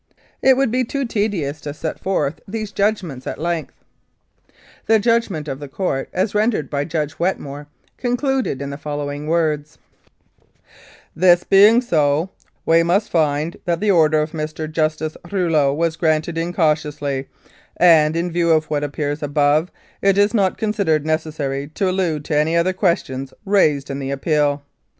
It would be too tedious to set forth 138 Mounted Police Law these judgments at length. The judgment of the Court, as rendered by Judge Wetmore, concluded in the follow ing words : "This being so, we must find that the order of Mr. Justice Rouleau was granted incautiously, and, in view of what appears above, it is not considered necessary to allude to any other questions raised in the appeal.